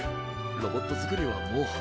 ロボットづくりはもう。